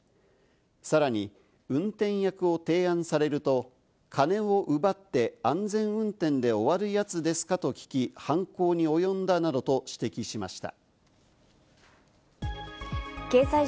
さらに運転役を提案されると、金を奪って安全運転で終わるやつですかと聞き、犯行に及んだなどと指摘しました。